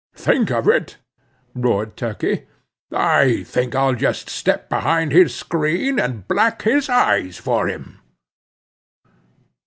"Think of it?" roared Turkey; "I think I'll just step behind his screen, and black his eyes for him!"